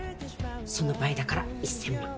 その倍だから１，０００万。